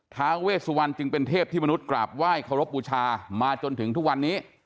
ท้าเวสวันจึงเป็นเทพที่มนุษย์กราบไหว้เคารพบูชามาจนถึงทุกวันนี้